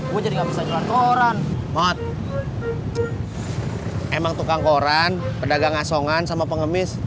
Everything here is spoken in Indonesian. gue jadi nggak bisa jualan koran emang tukang koran pedagang asongan sama pengemis